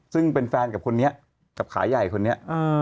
ซึ่งเป็นแฟนกับคนนี้กับขาใหญ่คนนี้